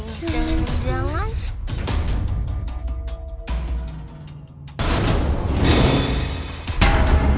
jangan jangan jangan